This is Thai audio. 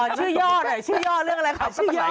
ชื่อย่อไหนชื่อย่อเรื่องอะไรขายชื่อย่อ